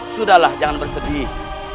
sudahlah jangan bersedih